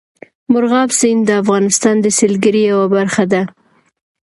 مورغاب سیند د افغانستان د سیلګرۍ یوه برخه ده.